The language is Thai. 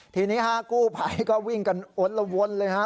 ทีนี้ห้ากู้ไภก็วิ่งกันโอ๊ดละวนเลยฮะ